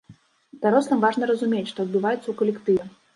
Дарослым важна разумець, што адбываецца ў калектыве.